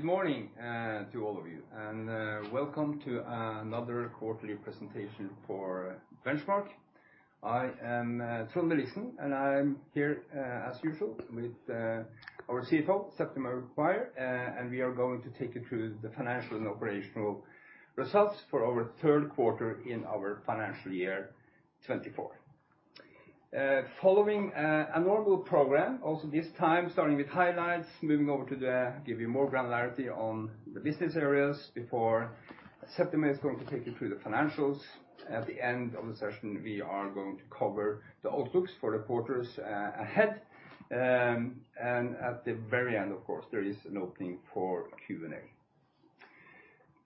Good morning, to all of you, and welcome to another quarterly presentation for Benchmark. I am Trond Williksen, and I'm here, as usual, with our CFO, Septima Maguire, and we are going to take you through the financial and operational results for our third quarter in our financial year 2024. Following a normal program, also this time, starting with highlights, moving over to give you more granularity on the business areas before Septima is going to take you through the financials. At the end of the session, we are going to cover the outlooks for the quarters ahead, and at the very end, of course, there is an opening for Q&A.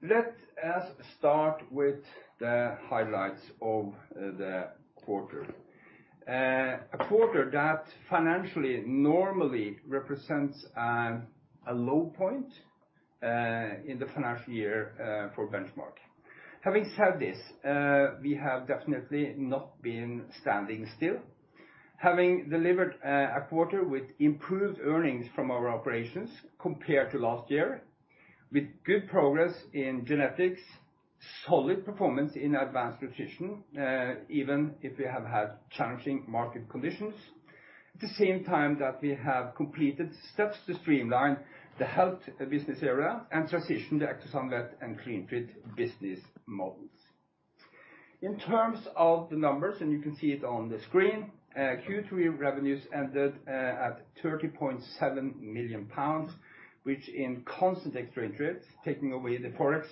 Let us start with the highlights of the quarter. A quarter that financially normally represents a low point in the financial year for Benchmark. Having said this, we have definitely not been standing still. Having delivered a quarter with improved earnings from our operations compared to last year, with good progress in genetics, solid performance in advanced nutrition, even if we have had challenging market conditions. At the same time that we have completed steps to streamline the health business area and transition the Ectosan Vet and CleanTreat business models. In terms of the numbers, and you can see it on the screen, Q3 revenues ended at 30.7 million pounds, which in constant exchange rates, taking away the Forex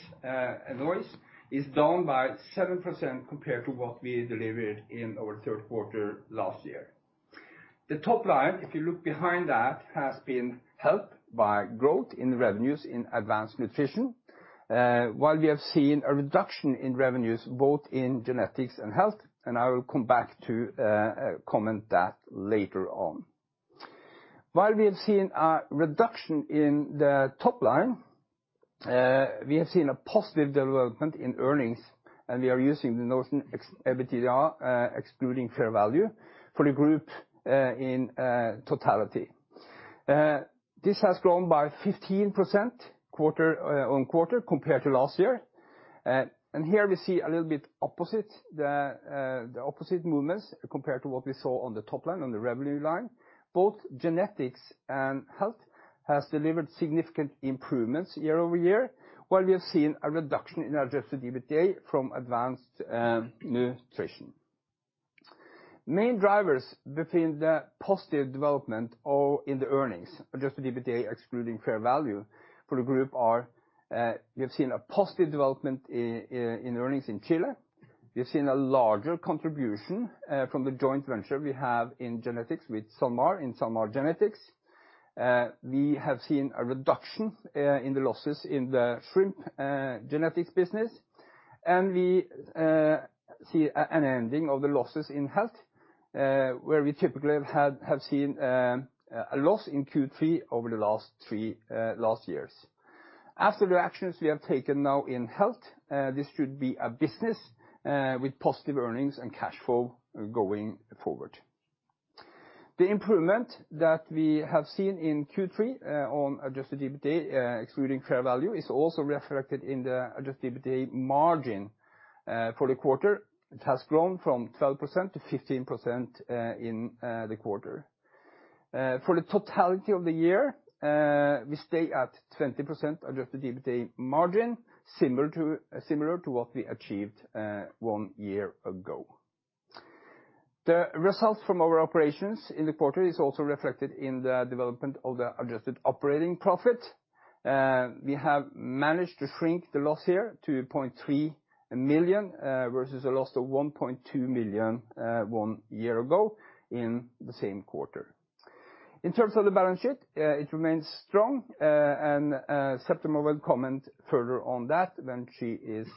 noise, is down by 7% compared to what we delivered in our third quarter last year. The top line, if you look behind that, has been helped by growth in revenues in advanced nutrition, while we have seen a reduction in revenues, both in genetics and health, and I will come back to comment that later on. While we have seen a reduction in the top line, we have seen a positive development in earnings, and we are using the notion EBITDA, excluding fair value for the group, in totality. This has grown by 15% quarter-on-quarter compared to last year. And here we see a little bit opposite, the opposite movements compared to what we saw on the top line, on the revenue line. Both genetics and health has delivered significant improvements year-over-year, while we have seen a reduction in Adjusted EBITDA from advanced nutrition. Main drivers of the positive development in the earnings, Adjusted EBITDA excluding fair value for the group are, we have seen a positive development in earnings in Chile. We've seen a larger contribution from the joint venture we have in genetics with SalMar, in SalMar Genetics. We have seen a reduction in the losses in the shrimp genetics business, and we see an ending of the losses in health, where we typically have seen a loss in Q3 over the last three years. After the actions we have taken now in health, this should be a business with positive earnings and cash flow going forward. The improvement that we have seen in Q3 on Adjusted EBITDA excluding fair value is also reflected in the Adjusted EBITDA margin. For the quarter, it has grown from 12% to 15% in the quarter. For the totality of the year, we stay at 20% Adjusted EBITDA margin, similar to what we achieved one year ago. The results from our operations in the quarter is also reflected in the development of the adjusted operating profit. We have managed to shrink the loss here to 0.3 million versus a loss of 1.2 million one year ago in the same quarter. In terms of the balance sheet, it remains strong, and Septima will comment further on that when she is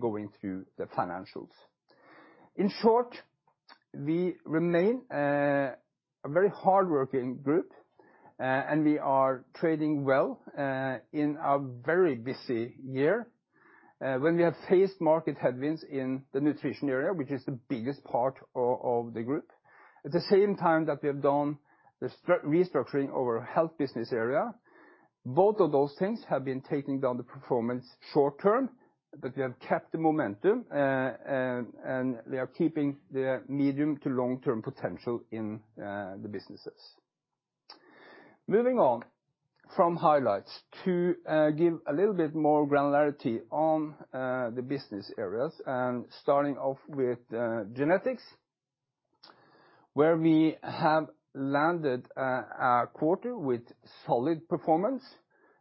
going through the financials. In short, we remain a very hardworking group, and we are trading well, in a very busy year, when we have faced market headwinds in the nutrition area, which is the biggest part of the group. At the same time that we have done the restructuring of our health business area, both of those things have been taking down the performance short term, but we have kept the momentum, and we are keeping the medium to long-term potential in the businesses. Moving on, from highlights to give a little bit more granularity on the business areas and starting off with genetics, where we have landed a quarter with solid performance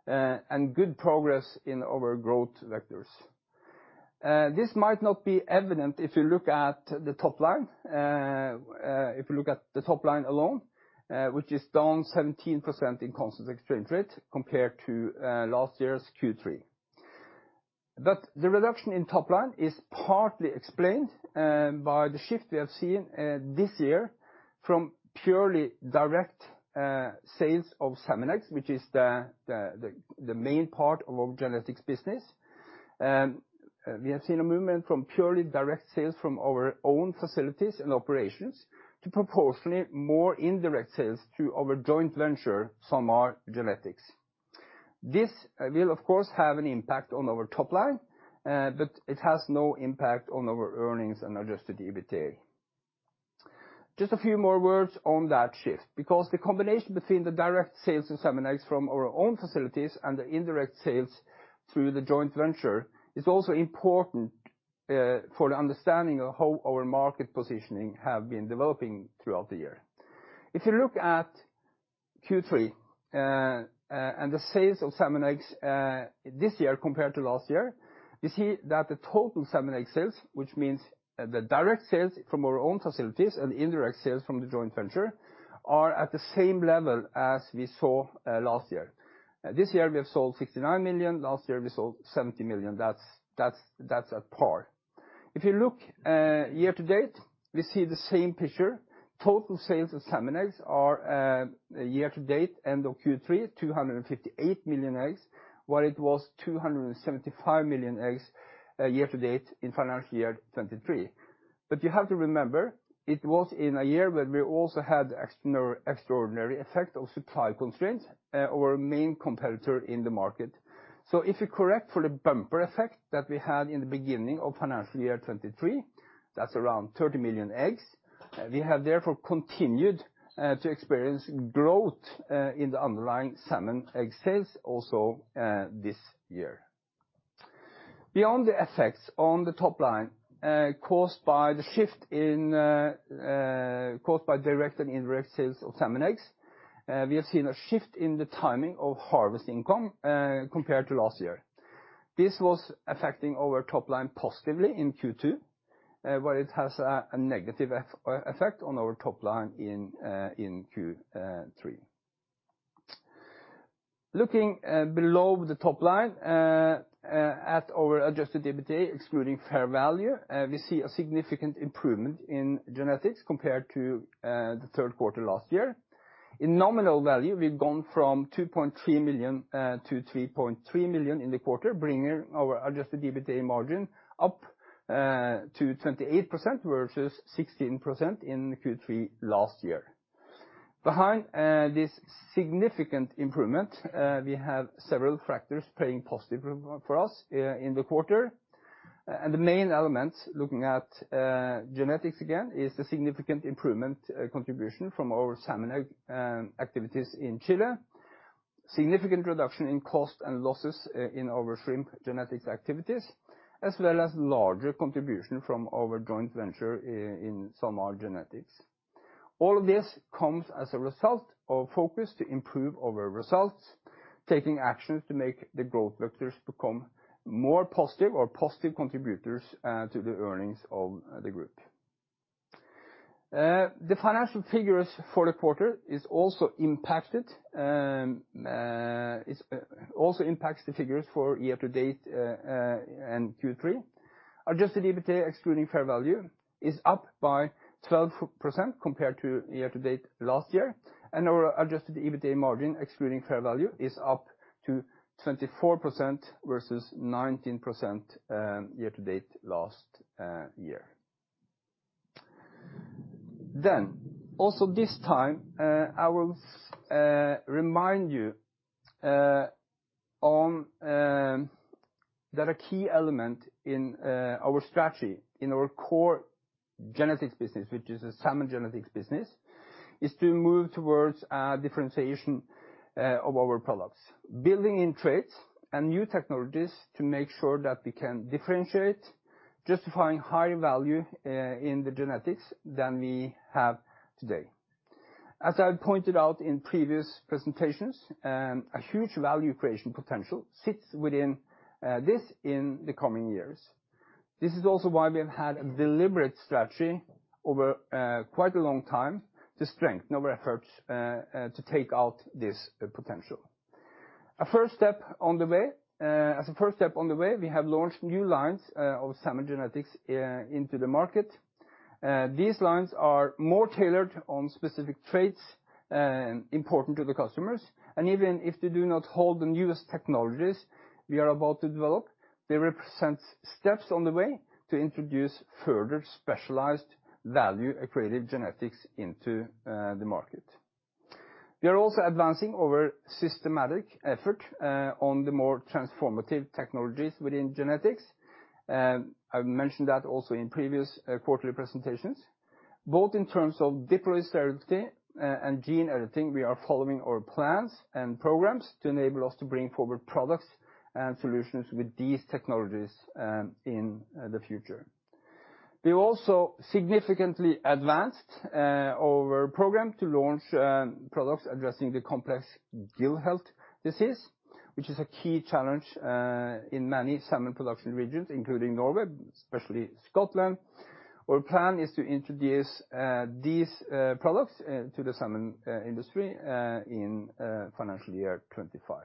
and good progress in our growth vectors. This might not be evident if you look at the top line alone, which is down 17% in constant exchange rate compared to last year's Q3. But the reduction in top line is partly explained by the shift we have seen this year from purely direct sales of salmon eggs, which is the main part of our genetics business. We have seen a movement from purely direct sales from our own facilities and operations to proportionally more indirect sales through our joint venture, SalMar Genetics. This will, of course, have an impact on our top line, but it has no impact on our earnings and Adjusted EBITDA. Just a few more words on that shift, because the combination between the direct sales and salmon eggs from our own facilities and the indirect sales through the joint venture, is also important, for the understanding of how our market positioning have been developing throughout the year. If you look at Q3, and the sales of salmon eggs, this year compared to last year, you see that the total salmon egg sales, which means the direct sales from our own facilities and the indirect sales from the joint venture, are at the same level as we saw, last year. This year we have sold 69 million, last year we sold 70 million. That's at par. If you look, year-to-date, we see the same picture. Total sales of salmon eggs are year-to-date, end of Q3, 258 million eggs, while it was 275 million eggs year-to-date in financial year 2023. You have to remember, it was in a year where we also had extraordinary effect of supply constraints, our main competitor in the market. If you correct for the bumper effect that we had in the beginning of financial year 2023, that's around 30 million eggs, we have therefore continued to experience growth in the underlying salmon egg sales also this year. Beyond the effects on the top line caused by direct and indirect sales of salmon eggs, we have seen a shift in the timing of harvest income compared to last year. This was affecting our top line positively in Q2, where it has a negative effect on our top line in Q3. Looking below the top line at our Adjusted EBITDA, excluding fair value, we see a significant improvement in genetics compared to the third quarter last year. In nominal value, we've gone from 2.3 million to 3.3 million in the quarter, bringing our Adjusted EBITDA margin up to 28%, versus 16% in Q3 last year. Behind this significant improvement, we have several factors playing positive for us in the quarter. And the main elements, looking at genetics again, is the significant improvement, contribution from our salmon egg activities in Chile, significant reduction in cost and losses in our shrimp genetics activities, as well as larger contribution from our joint venture in SalMar Genetics. All of this comes as a result of focus to improve our results, taking actions to make the growth vectors become more positive or positive contributors to the earnings of the group. The financial figures for the quarter is also impacted and also impacts the figures for year-to-date and Q3. Adjusted EBITDA, excluding fair value, is up by 12% compared to year-to-date last year, and our Adjusted EBITDA margin, excluding fair value, is up to 24% versus 19% year-to-date last year. Also this time, I will remind you of that a key element in our strategy, in our core genetics business, which is the salmon genetics business, is to move toward a differentiation of our products. Building in traits and new technologies to make sure that we can differentiate, justifying higher value in the genetics than we have today. As I pointed out in previous presentations, a huge value creation potential sits within this in the coming years. This is also why we have had a deliberate strategy over quite a long time, to strengthen our efforts to take out this potential. A first step on the way, we have launched new lines of salmon genetics into the market. These lines are more tailored on specific traits important to the customers, and even if they do not hold the newest technologies we are about to develop, they represent steps on the way to introduce further specialized value-created genetics into the market. We are also advancing our systematic effort on the more transformative technologies within genetics. I've mentioned that also in previous quarterly presentations. Both in terms of diploid sterility and gene editing, we are following our plans and programs to enable us to bring forward products and solutions with these technologies in the future. We've also significantly advanced our program to launch products addressing the complex gill health disease, which is a key challenge in many salmon production regions, including Norway, especially Scotland. Our plan is to introduce these products to the salmon industry in financial year 2025.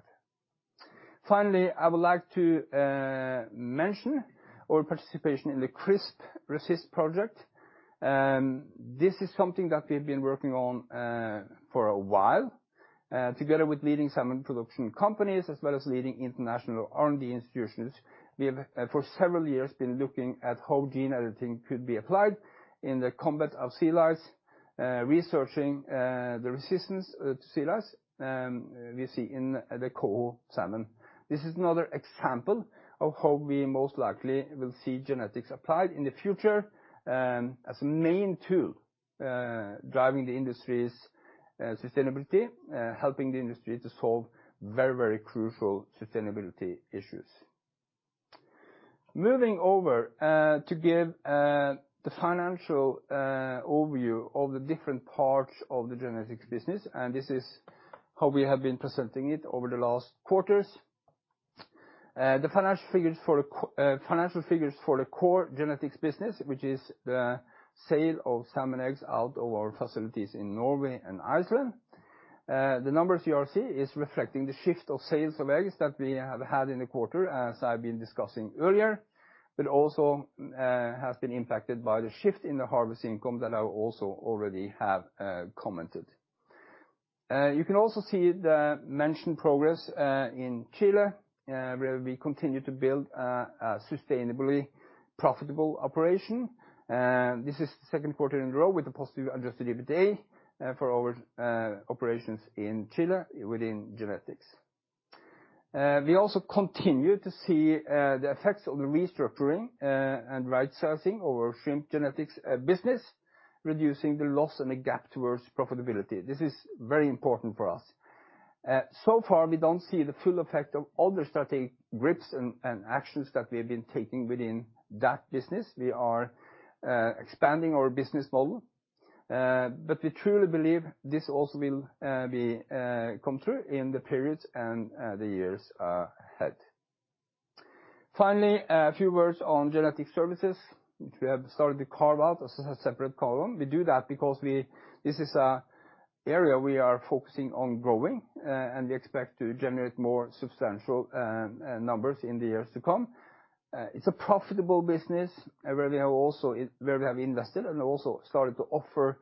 Finally, I would like to mention our participation in the CrispResist project. This is something that we've been working on for a while together with leading salmon production companies, as well as leading international R&D institutions. We have for several years been looking at how gene editing could be applied in the combat of sea lice, researching the resistance to sea lice we see in the coho salmon. This is another example of how we most likely will see genetics applied in the future as a main tool driving the industry's sustainability, helping the industry to solve very crucial sustainability issues. Moving over to give the financial overview of the different parts of the genetics business, and this is how we have been presenting it over the last quarters. The financial figures for the core genetics business, which is the sale of salmon eggs out of our facilities in Norway and Iceland. The numbers you are seeing is reflecting the shift of sales of eggs that we have had in the quarter, as I've been discussing earlier, but also has been impacted by the shift in the harvest income that I also already have commented. You can also see the mentioned progress in Chile, where we continue to build a sustainably profitable operation. This is the second quarter in a row with a positive Adjusted EBITDA for our operations in Chile within genetics. We also continue to see the effects of the restructuring and rightsizing our shrimp genetics business, reducing the loss and the gap towards profitability. This is very important for us. So far, we don't see the full effect of other strategic grips and actions that we've been taking within that business. We are expanding our business model, but we truly believe this also will become true in the periods and the years ahead. Finally, a few words on genetic services, which we have started to carve out as a separate column. We do that because this is an area we are focusing on growing, and we expect to generate more substantial numbers in the years to come. It's a profitable business where we have invested and also started to offer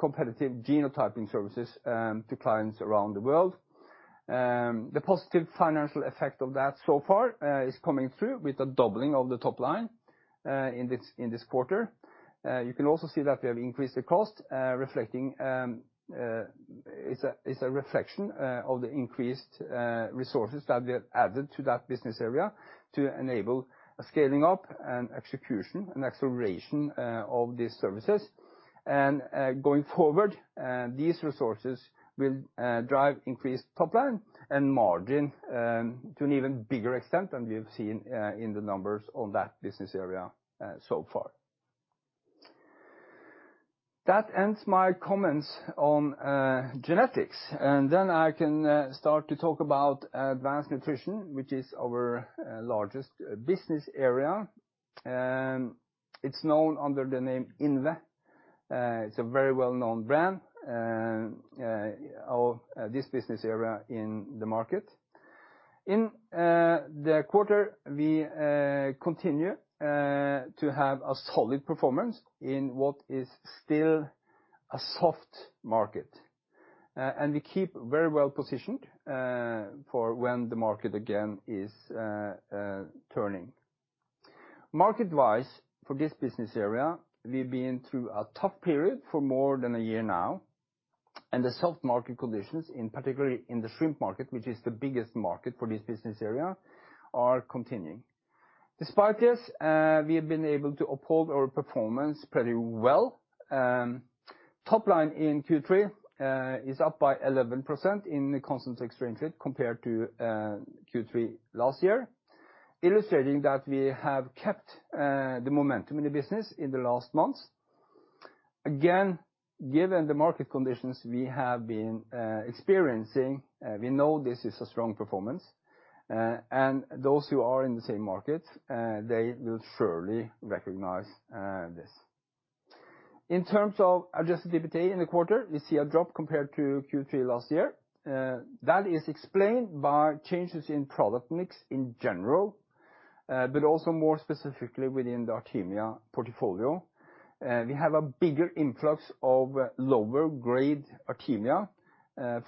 competitive genotyping services to clients around the world. The positive financial effect of that so far is coming through with a doubling of the top line in this quarter. You can also see that we have increased the cost, reflecting it's a reflection of the increased resources that we have added to that business area to enable a scaling up and execution and acceleration of these services. Going forward, these resources will drive increased top line and margin to an even bigger extent than we've seen in the numbers on that business area so far. That ends my comments on genetics, and then I can start to talk about advanced nutrition, which is our largest business area. It's known under the name INVE. It's a very well-known brand of this business area in the market. In the quarter, we continue to have a solid performance in what is still a soft market. We keep very well positioned for when the market again is turning. Market-wise, for this business area, we've been through a tough period for more than a year now, and the soft market conditions, in particular in the shrimp market, which is the biggest market for this business area, are continuing. Despite this, we have been able to uphold our performance pretty well. Top line in Q3 is up by 11% in the constant exchange rate compared to Q3 last year, illustrating that we have kept the momentum in the business in the last months. Again, given the market conditions we have been experiencing, we know this is a strong performance, and those who are in the same market, they will surely recognize this. In terms of Adjusted EBITDA in the quarter, you see a drop compared to Q3 last year. That is explained by changes in product mix in general, but also more specifically within the Artemia portfolio. We have a bigger influx of lower grade Artemia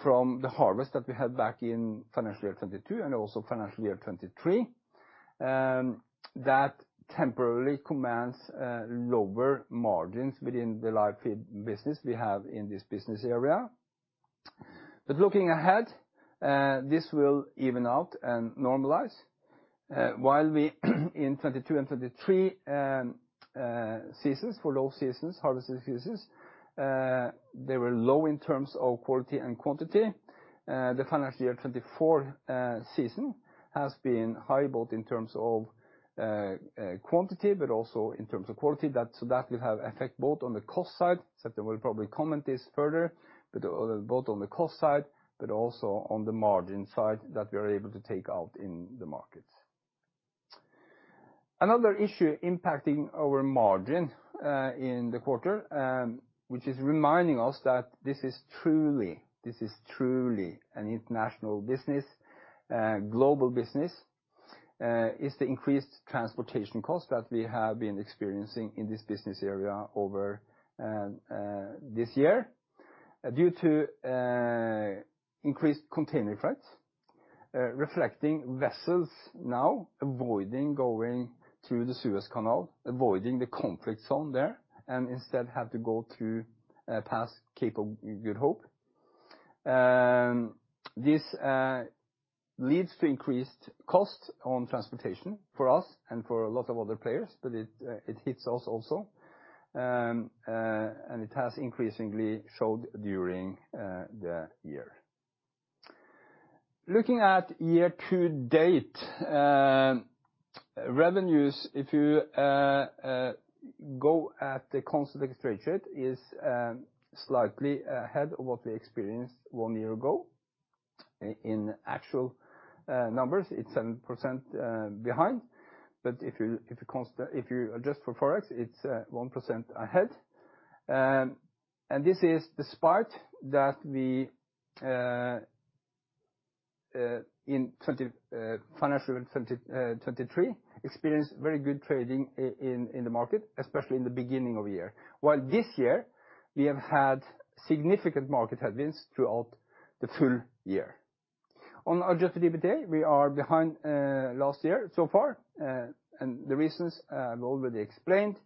from the harvest that we had back in financial year 2022 and also financial year 2023. That temporarily commands lower margins within the live feed business we have in this business area. But looking ahead, this will even out and normalize, while we, in 2022 and 2023 seasons, for those seasons, harvest seasons, they were low in terms of quality and quantity. The financial year 2024 season has been high, both in terms of quantity, but also in terms of quality. So that will have effect both on the cost side. Seth will probably comment this further, but both on the cost side, but also on the margin side that we are able to take out in the markets. Another issue impacting our margin in the quarter, which is reminding us that this is truly an international business, global business, is the increased transportation costs that we have been experiencing in this business area over this year due to increased container freight reflecting vessels now avoiding going through the Suez Canal, avoiding the conflict zone there, and instead have to go past Cape of Good Hope. This leads to increased costs on transportation for us and for a lot of other players, but it hits us also. It has increasingly showed during the year. Looking at year-to-date revenues, if you go at the constant exchange rate, is slightly ahead of what we experienced one year ago. In actual numbers, it's 7% behind, but if you adjust for Forex, it's 1% ahead. And this is despite that we, in financial 2023, experienced very good trading in the market, especially in the beginning of the year. While this year, we have had significant market headwinds throughout the full year. On Adjusted EBITDA, we are behind last year so far, and the reasons we already explained,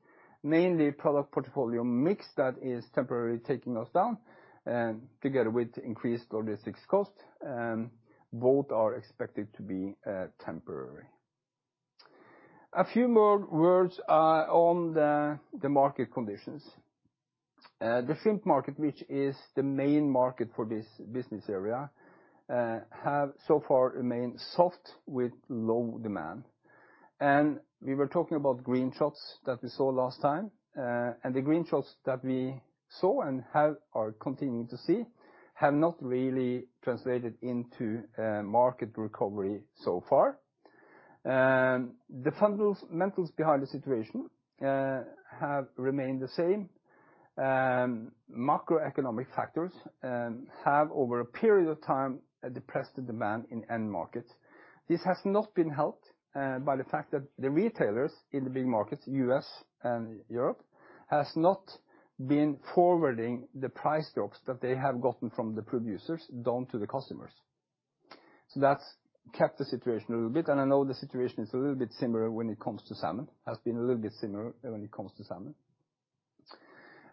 mainly product portfolio mix that is temporarily taking us down, together with increased logistics cost, both are expected to be temporary. A few more words on the market conditions. The shrimp market, which is the main market for this business area, have so far remained soft with low demand. And we were talking about green shots that we saw last time, and the green shots that we saw and are continuing to see, have not really translated into market recovery so far. The fundamentals behind the situation have remained the same. Macroeconomic factors have over a period of time depressed the demand in end markets. This has not been helped by the fact that the retailers in the big markets, U.S. and Europe, has not been forwarding the price drops that they have gotten from the producers down to the customers. So that's kept the situation a little bit, and I know the situation is a little bit similar when it comes to salmon.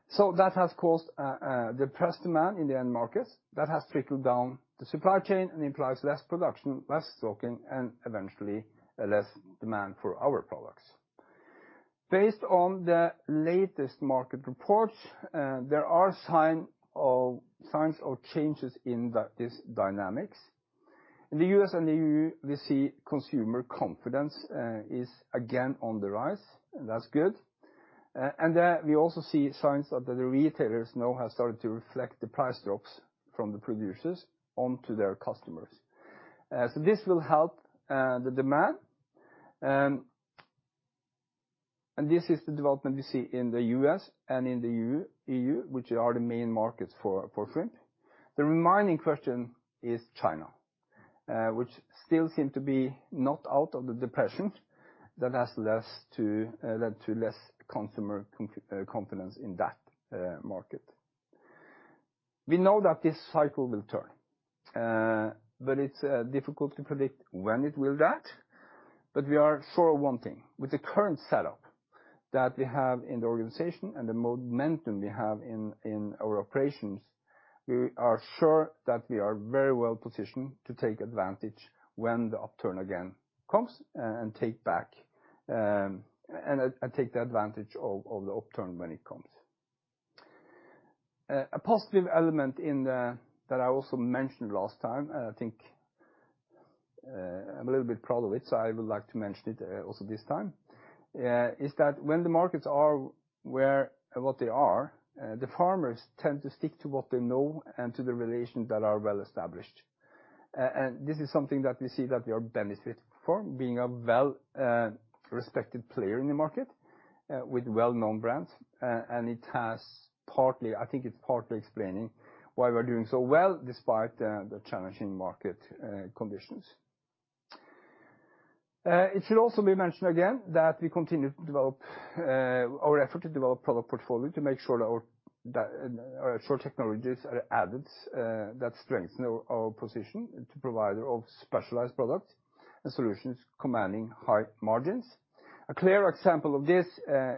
So that has caused a depressed demand in the end markets. That has trickled down the supply chain and implies less production, less stocking, and eventually, less demand for our products. Based on the latest market reports, there are signs of changes in this dynamics. In the U.S. and the E.U., we see consumer confidence is again on the rise, and that's good. And then we also see signs that the retailers now have started to reflect the price drops from the producers onto their customers. So this will help the demand, and this is the development we see in the U.S. and in the E.U., which are the main markets for shrimp. The remaining question is China, which still seems to be not out of the depression that has led to less consumer confidence in that market. We know that this cycle will turn, but it's difficult to predict when it will that. We are sure of one thing, with the current setup that we have in the organization and the momentum we have in our operations. We are sure that we are very well positioned to take advantage when the upturn again comes, and take back and take the advantage of the upturn when it comes. A positive element in that I also mentioned last time, and I think I'm a little bit proud of it, so I would like to mention it also this time, is that when the markets are where what they are, the farmers tend to stick to what they know and to the relations that are well-established. This is something that we see that we are benefit from, being a well respected player in the market with well-known brands. And it has partly, I think it's partly explaining why we're doing so well, despite the challenging market conditions. It should also be mentioned again that we continue to develop our effort to develop product portfolio to make sure that our sure technologies are added that strengthen our position to provider of specialized products and solutions commanding high margins. A clear example of this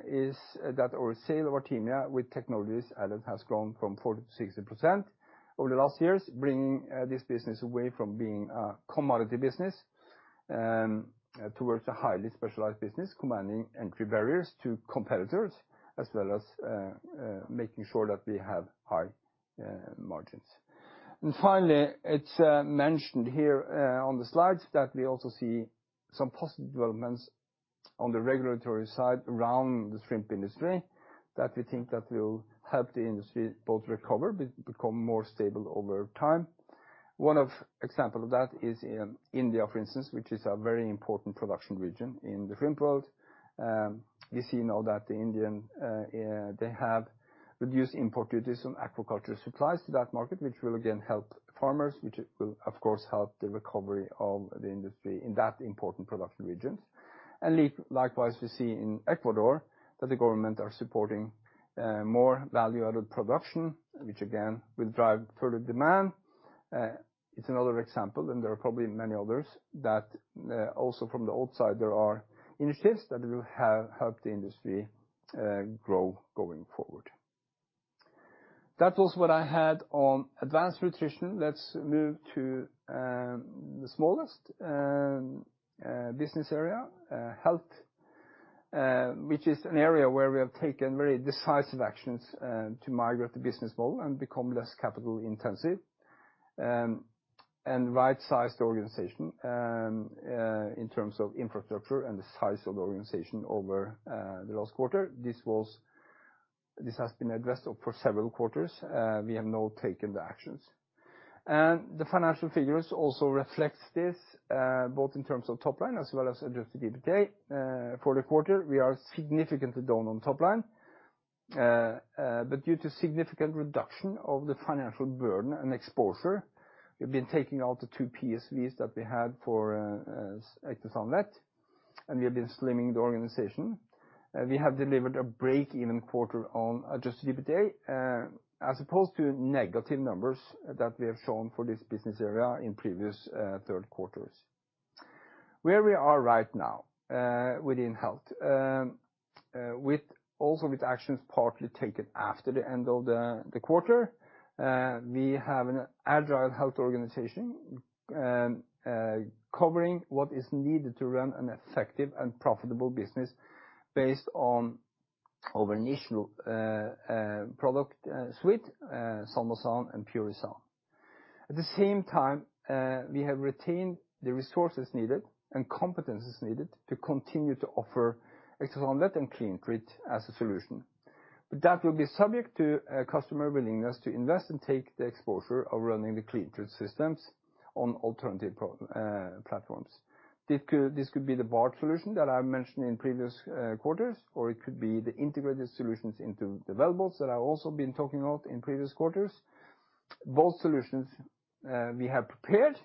is that our sale of Artemia with technologies added has grown from 40%-60% over the last years, bringing this business away from being a commodity business towards a highly specialized business, commanding entry barriers to competitors, as well as making sure that we have high margins. And finally, it's mentioned here on the slides that we also see some positive developments on the regulatory side around the shrimp industry, that we think that will help the industry both recover, become more stable over time. One example of that is in India, for instance, which is a very important production region in the shrimp world. We see now that the Indian they have reduced import duties on aquaculture supplies to that market, which will again help farmers, which will, of course, help the recovery of the industry in that important production region. And likewise, we see in Ecuador that the government are supporting more value-added production, which again, will drive further demand. It's another example, and there are probably many others, that also from the outside, there are initiatives that will have help the industry grow going forward. That was what I had on advanced nutrition. Let's move to the smallest business area, health, which is an area where we have taken very decisive actions to migrate the business model and become less capital-intensive, and right-size the organization in terms of infrastructure and the size of the organization over the last quarter. This has been addressed for several quarters. We have now taken the actions. The financial figures also reflects this both in terms of top line as well as Adjusted EBITDA. For the quarter, we are significantly down on top line, but due to significant reduction of the financial burden and exposure, we've been taking out the two PSVs that we had for Ectosan Vet, and we have been slimming the organization. We have delivered a break-even quarter on Adjusted EBITDA, as opposed to negative numbers that we have shown for this business area in previous third quarters. Where we are right now within health, also with actions partly taken after the end of the quarter, we have an agile health organization covering what is needed to run an effective and profitable business based on our initial product suite, Salmosan and Purisan. At the same time, we have retained the resources needed and competencies needed to continue to offer Ectosan Vet and CleanTreat as a solution. But that will be subject to a customer willingness to invest and take the exposure of running the CleanTreat systems on alternative platforms. This could, this could be the barge solution that I mentioned in previous quarters, or it could be the integrated solutions into the wellboats, that I've also been talking about in previous quarters. Both solutions, we have prepared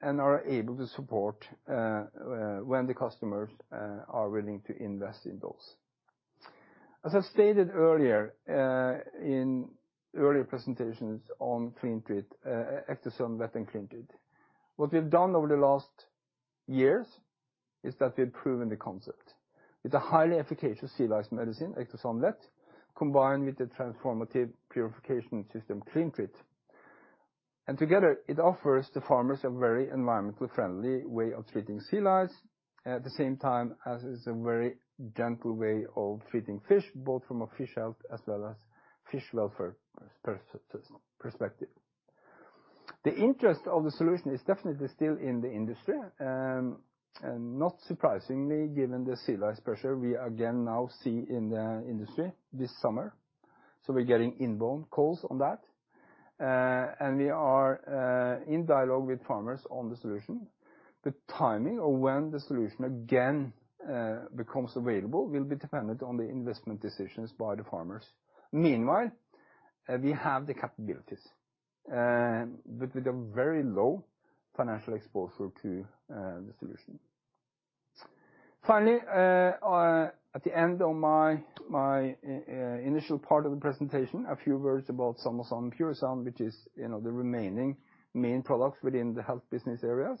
and are able to support, when the customers are willing to invest in those. As I stated earlier, in earlier presentations on CleanTreat, Ectosan Vet and CleanTreat, what we've done over the last years is that we've proven the concept. It's a highly efficacious sea lice medicine, Ectosan Vet, combined with the transformative purification system, CleanTreat. And together, it offers the farmers a very environmentally friendly way of treating sea lice, at the same time as it's a very gentle way of treating fish, both from a fish health as well as fish welfare perspective. The interest of the solution is definitely still in the industry, and not surprisingly, given the sea lice pressure we again now see in the industry this summer. So we're getting inbound calls on that, and we are in dialogue with farmers on the solution. The timing of when the solution again becomes available will be dependent on the investment decisions by the farmers. Meanwhile, we have the capabilities, but with a very low financial exposure to the solution. Finally, at the end of my initial part of the presentation, a few words about Salmosan and Purisan, which is, you know, the remaining main products within the health business areas.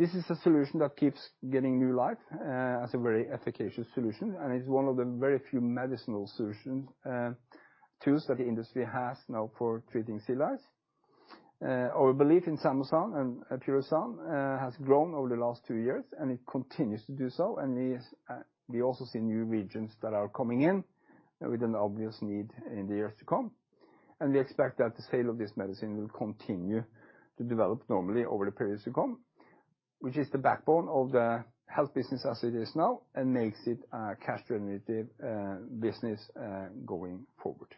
This is a solution that keeps getting new life, as a very efficacious solution, and it's one of the very few medicinal solution tools that the industry has now for treating sea lice. Our belief in Salmosan and Purisan has grown over the last two years, and it continues to do so, and we also see new regions that are coming in with an obvious need in the years to come. And we expect that the sale of this medicine will continue to develop normally over the periods to come, which is the backbone of the health business as it is now, and makes it a cash generative, business, going forward.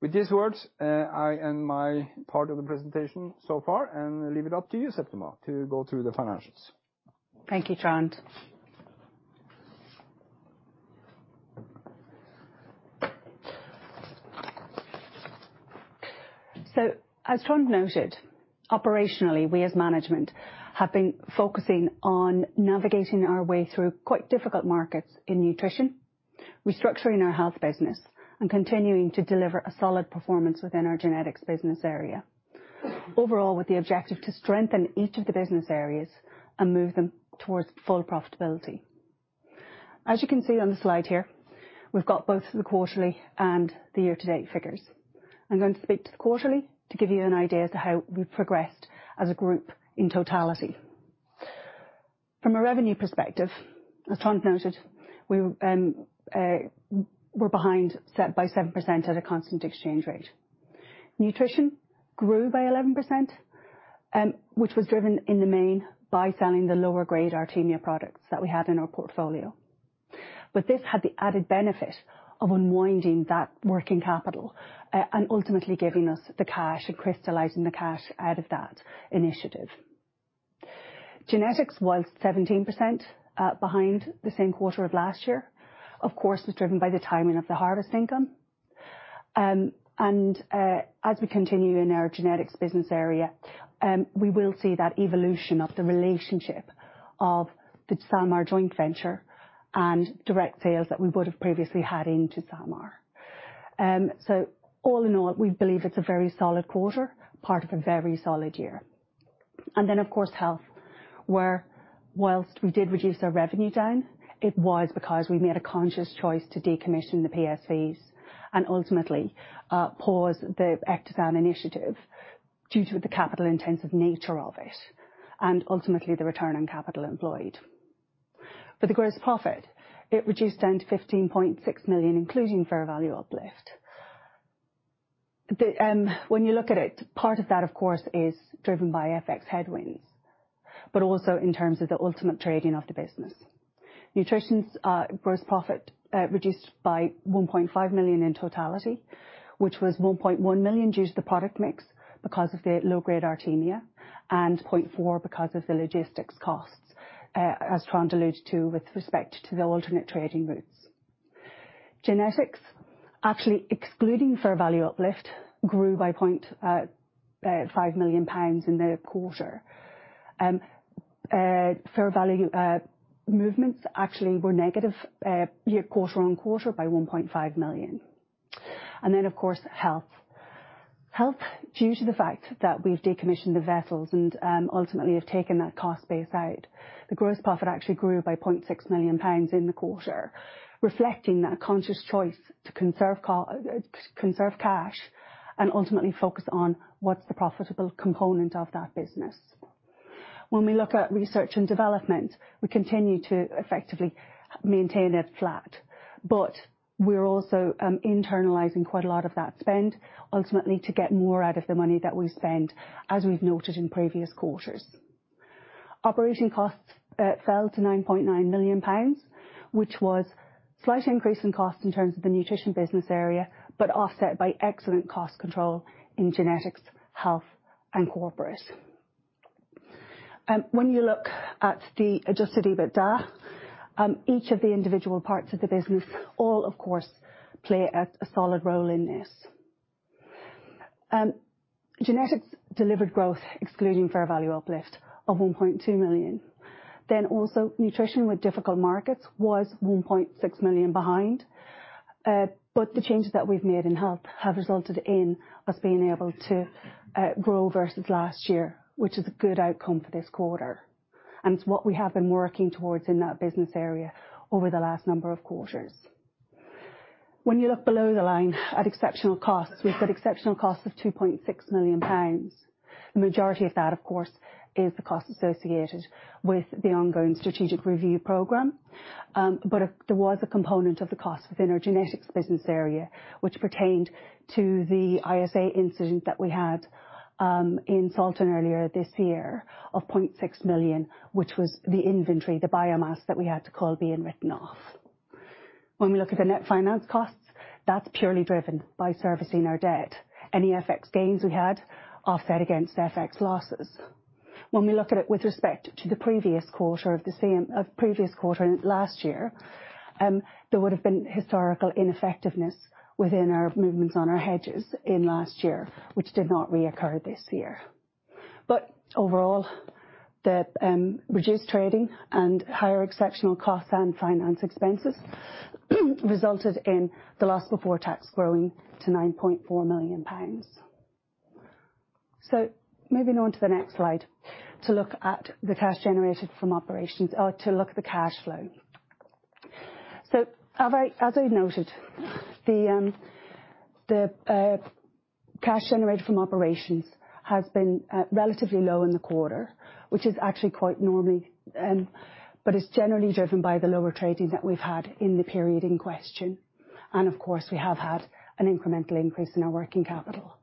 With these words, I end my part of the presentation so far, and leave it up to you, Septima, to go through the financials. Thank you, Trond. So as Trond noted, operationally, we as management, have been focusing on navigating our way through quite difficult markets in nutrition, restructuring our health business, and continuing to deliver a solid performance within our genetics business area. Overall, with the objective to strengthen each of the business areas and move them towards full profitability. As you can see on the slide here, we've got both the quarterly and the year-to-date figures. I'm going to speak to the quarterly to give you an idea as to how we've progressed as a group in totality. From a revenue perspective, as Trond noted, we're behind by 7% at a constant exchange rate. Nutrition grew by 11%, which was driven in the main by selling the lower grade Artemia products that we had in our portfolio.... But this had the added benefit of unwinding that working capital, and ultimately giving us the cash and crystallizing the cash out of that initiative. Genetics was 17% behind the same quarter of last year. Of course, it's driven by the timing of the harvest income. And as we continue in our genetics business area, we will see that evolution of the relationship of the SalMar joint venture and direct sales that we would have previously had into SalMar. So all in all, we believe it's a very solid quarter, part of a very solid year. Then, of course, health, where while we did reduce our revenue down, it was because we made a conscious choice to decommission the PSVs and ultimately pause the Ectosan initiative due to the capital-intensive nature of it and ultimately the return on capital employed. For the gross profit, it reduced down to 15.6 million, including fair value uplift. When you look at it, part of that, of course, is driven by FX headwinds, but also in terms of the ultimate trading of the business. Nutrition's gross profit reduced by 1.5 million in totality, which was 1.1 million due to the product mix because of the low-grade Artemia, and 0.4 million because of the logistics costs, as Trond alluded to with respect to the alternate trading routes. Genetics, actually excluding fair value uplift, grew by 0.5 million pounds in the quarter. Fair value movements actually were negative year quarter-on-quarter by 1.5 million. And then, of course, health. Health, due to the fact that we've decommissioned the vessels and, ultimately have taken that cost base out, the gross profit actually grew by 0.6 million pounds in the quarter, reflecting that conscious choice to conserve cash and ultimately focus on what's the profitable component of that business. When we look at research and development, we continue to effectively maintain it flat, but we're also, internalizing quite a lot of that spend, ultimately to get more out of the money that we spend, as we've noted in previous quarters. Operating costs, fell to 9.9 million pounds, which was a slight increase in cost in terms of the nutrition business area, but offset by excellent cost control in genetics, health, and corporate. When you look at the Adjusted EBITDA, each of the individual parts of the business all, of course, play a solid role in this. Genetics delivered growth, excluding fair value uplift, of 1.2 million. Then also, nutrition with difficult markets was 1.6 million behind. But the changes that we've made in health have resulted in us being able to grow versus last year, which is a good outcome for this quarter, and it's what we have been working towards in that business area over the last number of quarters. When you look below the line at exceptional costs, we've got exceptional costs of 2.6 million pounds. The majority of that, of course, is the cost associated with the ongoing strategic review program. But there was a component of the cost within our genetics business area, which pertained to the ISA incident that we had in Salten earlier this year of 0.6 million, which was the inventory, the biomass that we had to call being written off. When we look at the net finance costs, that's purely driven by servicing our debt. Any FX gains we had offset against FX losses. When we look at it with respect to the previous quarter of the same, previous quarter last year, there would have been historical ineffectiveness within our movements on our hedges in last year, which did not reoccur this year. But overall, the reduced trading and higher exceptional costs and finance expenses resulted in the loss before tax growing to 9.4 million pounds. Moving on to the next slide to look at the cash generated from operations, or to look at the cash flow. As I noted, the cash generated from operations has been relatively low in the quarter, which is actually quite normal, but it's generally driven by the lower trading that we've had in the period in question. And of course, we have had an incremental increase in our working capital.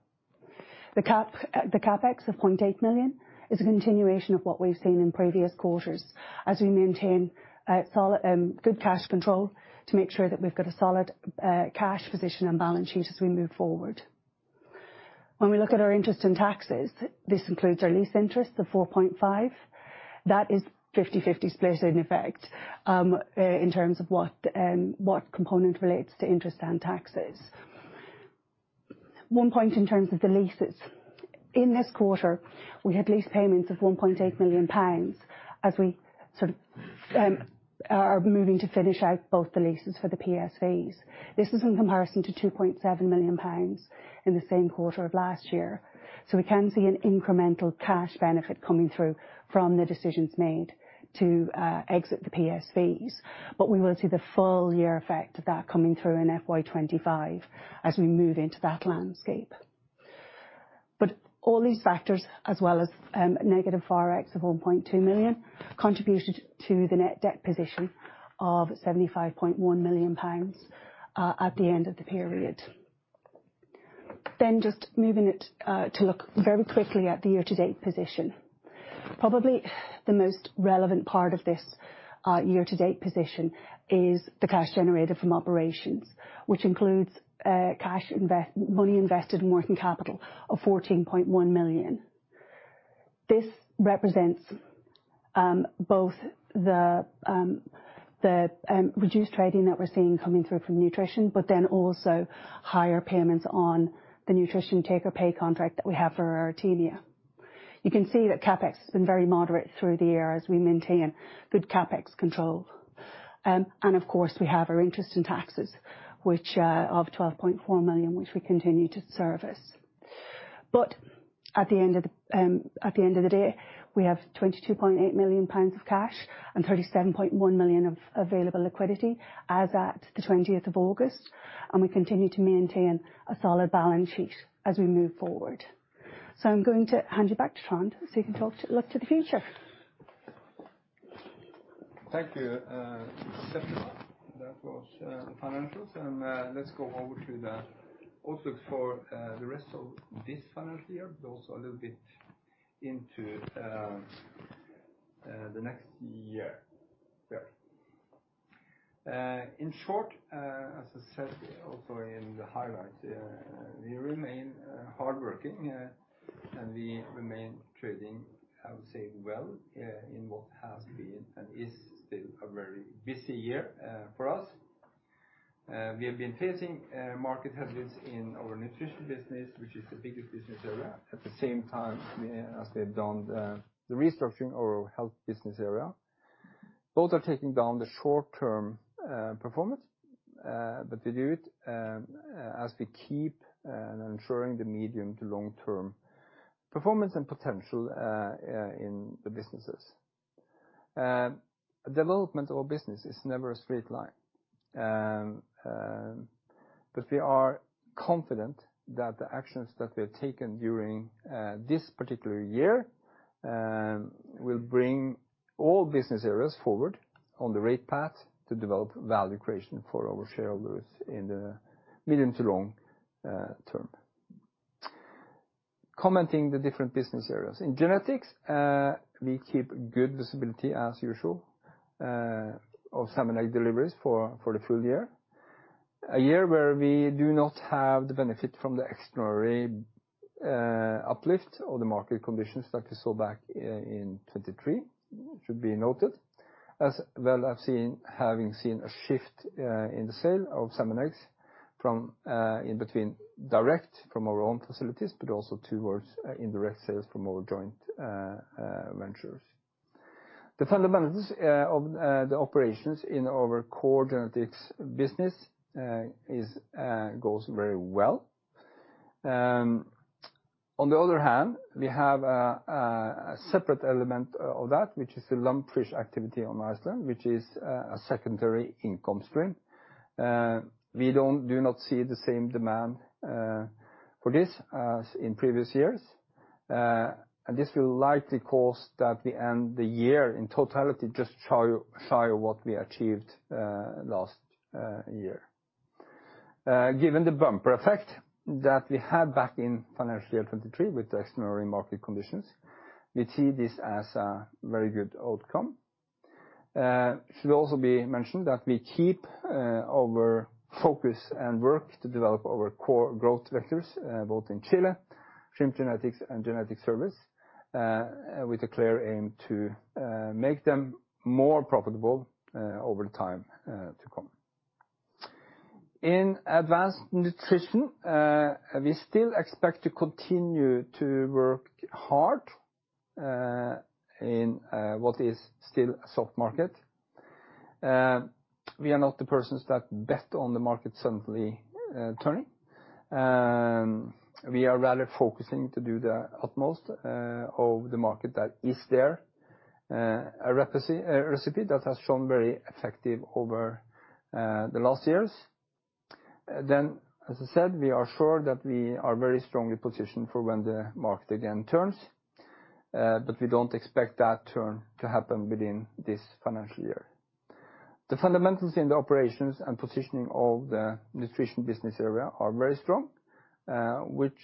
The CapEx of 0.8 million is a continuation of what we've seen in previous quarters as we maintain a solid good cash control to make sure that we've got a solid cash position and balance sheet as we move forward. When we look at our interest and taxes, this includes our lease interest, the 4.5. That is a 50/50 split, in effect, in terms of what component relates to interest and taxes. One point in terms of the leases. In this quarter, we had lease payments of 1.8 million pounds as we sort of are moving to finish out both the leases for the PSVs. This is in comparison to 2.7 million pounds in the same quarter of last year. So we can see an incremental cash benefit coming through from the decisions made to exit the PSVs, but we will see the full year effect of that coming through in FY 2025 as we move into that landscape. All these factors, as well as negative Forex of 1.2 million, contributed to the net debt position of 75.1 million pounds at the end of the period... Then just moving it to look very quickly at the year-to-date position. Probably the most relevant part of this year-to-date position is the cash generated from operations, which includes money invested in working capital of 14.1 million. This represents both the reduced trading that we're seeing coming through from nutrition, but then also higher payments on the nutrition take-or-pay contract that we have for Artemia. You can see that CapEx has been very moderate through the year as we maintain good CapEx control. And of course, we have our interest and taxes, which of 12.4 million, which we continue to service. At the end of the day, we have 22.8 million pounds of cash and 37.1 million of available liquidity as at the 20th of August, and we continue to maintain a solid balance sheet as we move forward. I'm going to hand you back to Trond, so you can look to the future. Thank you, Septima. That was the financials, and let's go over to the outlook for the rest of this financial year, but also a little bit into the next year. In short, as I said, also in the highlights, we remain hardworking, and we remain trading, I would say, well, in what has been and is still a very busy year for us. We have been facing market headwinds in our nutrition business, which is the biggest business area. At the same time, as we've done the restructuring of our health business area, both are taking down the short-term performance, but we do it as we keep ensuring the medium to long-term performance and potential in the businesses. Development of business is never a straight line. But we are confident that the actions that we have taken during this particular year will bring all business areas forward on the right path to develop value creation for our shareholders in the medium to long term. Commenting the different business areas. In genetics, we keep good visibility, as usual, of salmon egg deliveries for the full year. A year where we do not have the benefit from the extraordinary uplift or the market conditions that we saw back in 2023, should be noted, as well as having seen a shift in the sale of salmon eggs from in between direct from our own facilities, but also towards indirect sales from our joint ventures. The fundamentals of the operations in our core genetics business is goes very well. On the other hand, we have a separate element of that, which is the lumpfish activity on Iceland, which is a secondary income stream. We do not see the same demand for this as in previous years. And this will likely cause that we end the year in totality, just shy of what we achieved last year. Given the bumper effect that we had back in financial year 2023 with the extraordinary market conditions, we see this as a very good outcome. It should also be mentioned that we keep our focus and work to develop our core growth vectors, both in Chile, shrimp genetics, and genetic service, with a clear aim to make them more profitable over the time to come. In advanced nutrition, we still expect to continue to work hard in what is still a soft market. We are not the persons that bet on the market suddenly turning. We are rather focusing to do the utmost of the market that is there, a recipe that has shown very effective over the last years. Then, as I said, we are sure that we are very strongly positioned for when the market again turns, but we don't expect that turn to happen within this financial year. The fundamentals in the operations and positioning of the nutrition business area are very strong, which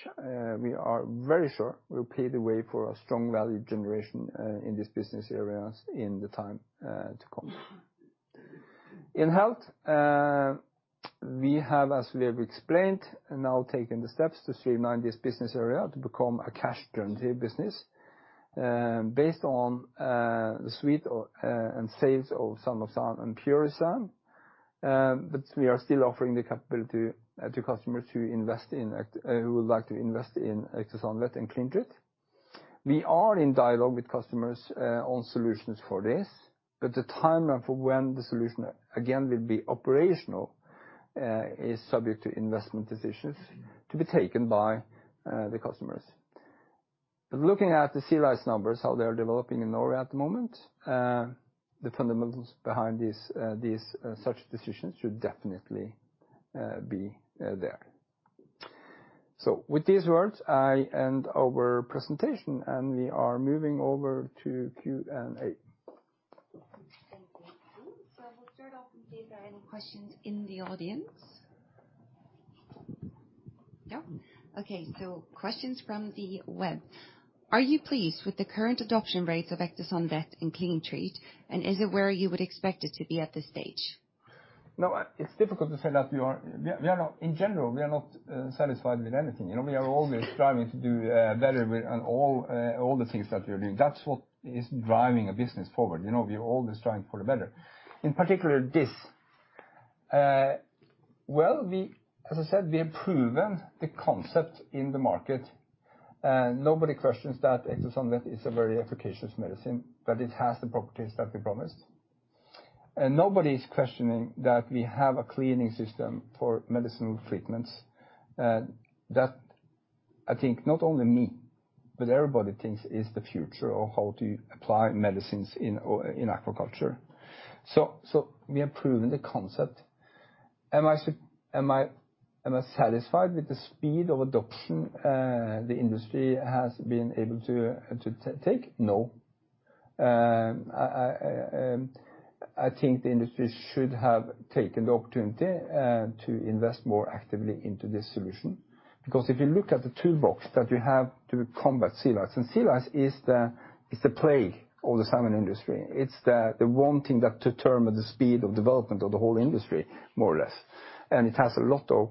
we are very sure will pave the way for a strong value generation in these business areas in the time to come. In health, we have, as we have explained, now taken the steps to streamline this business area to become a cash generative business, based on the suite or and sales of Salmosan and Purisan, but we are still offering the capability to customers who would like to invest in Ectosan Vet and CleanTreat. We are in dialogue with customers on solutions for this, but the timeline for when the solution again will be operational is subject to investment decisions to be taken by the customers. But looking at the sea lice numbers, how they are developing in Norway at the moment, the fundamentals behind these such decisions should definitely be there. So with these words, I end our presentation, and we are moving over to Q&A.... Are there any questions in the audience? No. Okay, so questions from the web. Are you pleased with the current adoption rates of Ectosan Vet in CleanTreat, and is it where you would expect it to be at this stage? No, it's difficult to say that we are not satisfied with anything. In general, we are not satisfied with anything. You know, we are always striving to do better with on all the things that we are doing. That's what is driving a business forward, you know. We are always striving for the better. In particular, as I said, we have proven the concept in the market, and nobody questions that Ectosan Vet is a very efficacious medicine, that it has the properties that we promised. And nobody's questioning that we have a cleaning system for medicinal treatments. That I think, not only me, but everybody thinks is the future of how to apply medicines in aquaculture. We have proven the concept. Am I satisfied with the speed of adoption the industry has been able to take? No. I think the industry should have taken the opportunity to invest more actively into this solution, because if you look at the toolbox that you have to combat sea lice, and sea lice is the, it's the plague of the salmon industry. It's the one thing that determine the speed of development of the whole industry, more or less. And it has a lot of,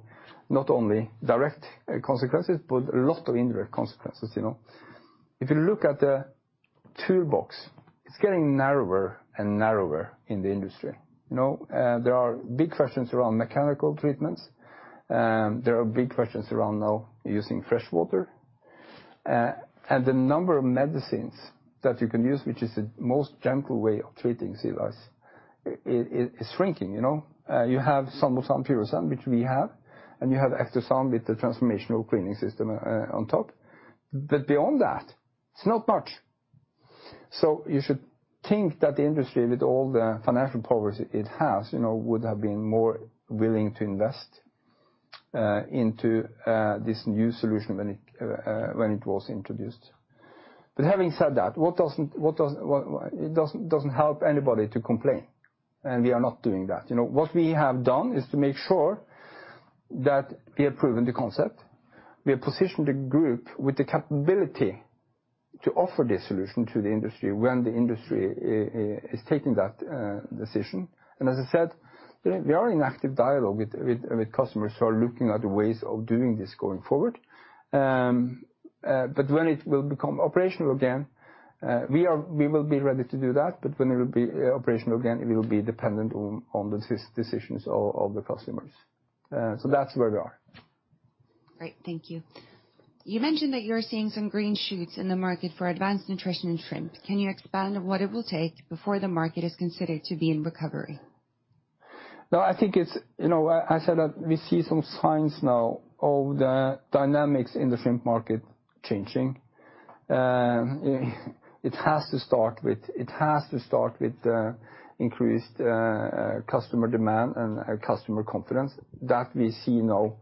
not only direct consequences, but a lot of indirect consequences, you know. If you look at the toolbox, it's getting narrower and narrower in the industry. You know, there are big questions around mechanical treatments, there are big questions around now using fresh water. And the number of medicines that you can use, which is the most gentle way of treating sea lice, is shrinking, you know. You have some of Salmosan, which we have, and you have Ectosan with the transformational cleaning system on top. But beyond that, it's not much. So you should think that the industry, with all the financial powers it has, you know, would have been more willing to invest into this new solution when it was introduced. But having said that, it doesn't help anybody to complain, and we are not doing that. You know, what we have done is to make sure that we have proven the concept. We have positioned the group with the capability to offer this solution to the industry when the industry is taking that decision. As I said, we are in active dialogue with customers who are looking at ways of doing this going forward. But when it will become operational again, we will be ready to do that, but when it will become operational again, it will be dependent on the decisions of the customers. So that's where we are. Great, thank you. You mentioned that you're seeing some green shoots in the market for advanced nutrition and shrimp. Can you expand on what it will take before the market is considered to be in recovery? No, I think it's, you know, I said that we see some signs now of the dynamics in the shrimp market changing. It has to start with increased customer demand and customer confidence. That we see now.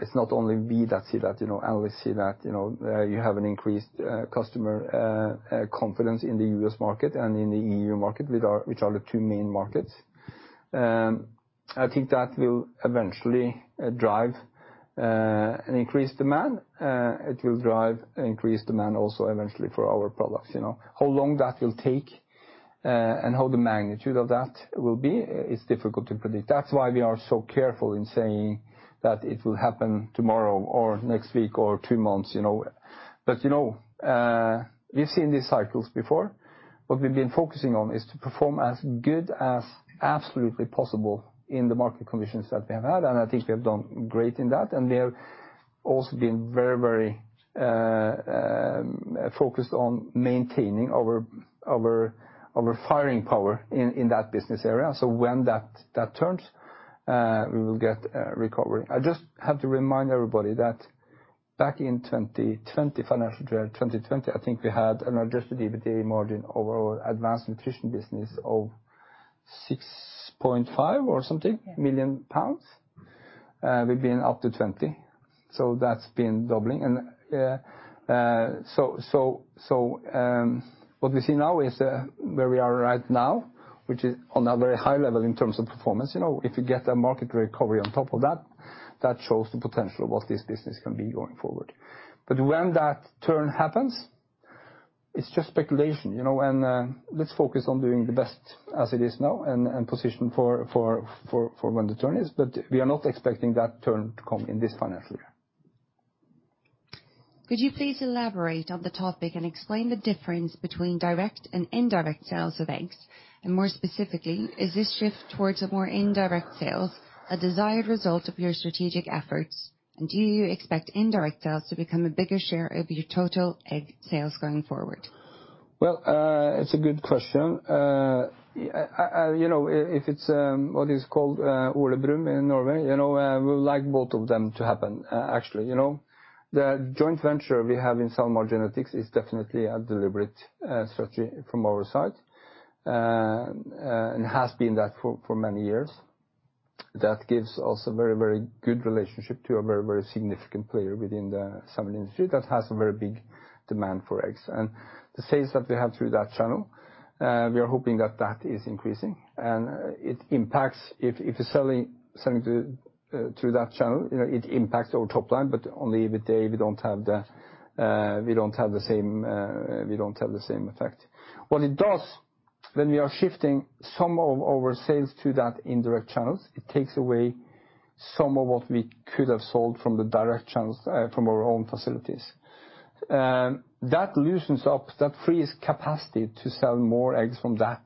It's not only we that see that, you know, analysts see that, you know, you have an increased customer confidence in the U.S. market and in the E.U. market, which are the two main markets. I think that will eventually drive an increased demand. It will drive increased demand also eventually for our products, you know. How long that will take, and how the magnitude of that will be, is difficult to predict. That's why we are so careful in saying that it will happen tomorrow, or next week, or two months, you know? But you know, we've seen these cycles before. What we've been focusing on is to perform as good as absolutely possible in the market conditions that we have had, and I think we have done great in that. And we have also been very, very focused on maintaining our firing power in that business area. So when that turns, we will get a recovery. I just have to remind everybody that back in 2020, financial year 2020, I think we had an Adjusted EBITDA margin over our advanced nutrition business of 6.5 million or something- Yeah. We've been up to 20, so that's been doubling, and so what we see now is where we are right now, which is on a very high level in terms of performance. You know, if you get a market recovery on top of that, that shows the potential of what this business can be going forward. But when that turn happens, it's just speculation, you know, and let's focus on doing the best as it is now and position for when the turn is, but we are not expecting that turn to come in this financial year. Could you please elaborate on the topic and explain the difference between direct and indirect sales of eggs? and more specifically, is this shift towards a more indirect sales, a desired result of your strategic efforts, and do you expect indirect sales to become a bigger share of your total egg sales going forward? It's a good question. I, you know, if it's what is called Ole Brumm in Norway, you know, we would like both of them to happen, actually, you know. The joint venture we have in SalMar Genetics is definitely a deliberate strategy from our side, and has been that for many years. That gives us a very, very good relationship to a very, very significant player within the salmon industry that has a very big demand for eggs. The sales that we have through that channel, we are hoping that that is increasing, and it impacts if you're selling to that channel, you know, it impacts our top line, but only with they, we don't have the same effect. What it does when we are shifting some of our sales to that indirect channels, it takes away some of what we could have sold from the direct channels, from our own facilities. That loosens up, that frees capacity to sell more eggs from that,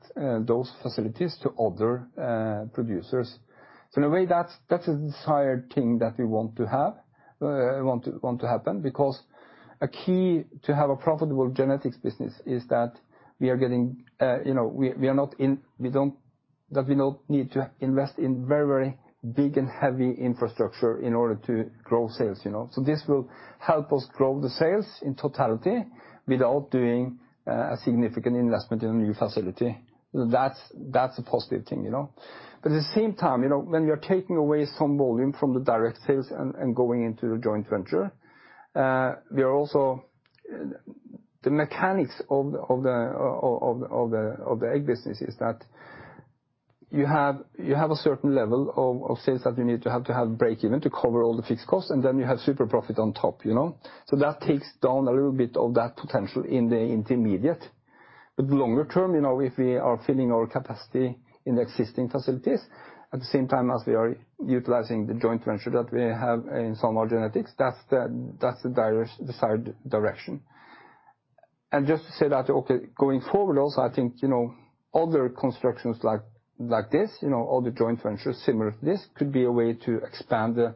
those facilities to other producers. So in a way, that's a desired thing that we want to have, want to happen, because a key to have a profitable genetics business is that we are getting, you know, that we don't need to invest in very, very big and heavy infrastructure in order to grow sales, you know? So this will help us grow the sales in totality without doing a significant investment in a new facility. That's a positive thing, you know? But at the same time, you know, when we are taking away some volume from the direct sales and going into the joint venture, we are also. The mechanics of the egg business is that you have a certain level of sales that you need to have to breakeven to cover all the fixed costs, and then you have super profit on top, you know? So that takes down a little bit of that potential in the intermediate. But longer term, you know, if we are filling our capacity in the existing facilities, at the same time as we are utilizing the joint venture that we have in SalMar Genetics, that's the desired direction. Just to say that, okay, going forward also, I think, you know, other constructions like this, you know, other joint ventures similar to this, could be a way to expand the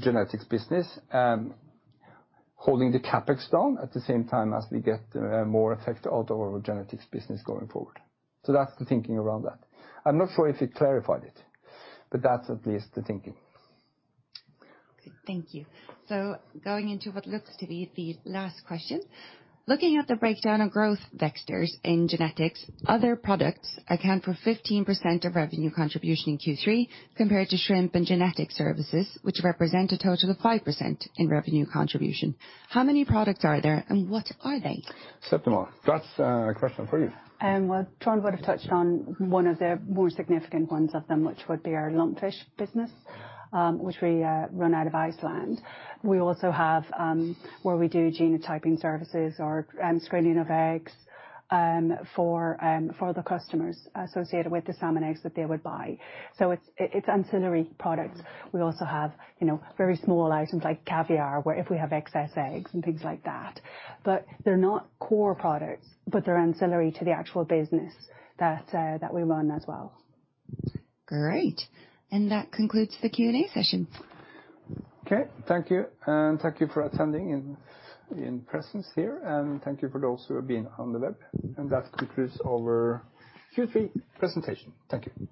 genetics business, holding the CapEx down at the same time as we get more effect out of our genetics business going forward. So that's the thinking around that. I'm not sure if it clarified it, but that's at least the thinking. Okay, thank you. So going into what looks to be the last question: Looking at the breakdown of growth vectors in genetics, other products account for 15% of revenue contribution in Q3, compared to shrimp and genetic services, which represent a total of 5% in revenue contribution. How many products are there, and what are they? Septima, that's a question for you. Well, Trond would have touched on one of the more significant ones of them, which would be our lumpfish business, which we run out of Iceland. We also have where we do genotyping services or screening of eggs for the customers associated with the salmon eggs that they would buy. So it's ancillary products. We also have, you know, very small items like caviar, where if we have excess eggs and things like that. But they're not core products, but they're ancillary to the actual business that we run as well. Great. And that concludes the Q&A session. Okay, thank you. And thank you for attending in person here, and thank you for those who have been on the web. And that concludes our Q3 presentation. Thank you.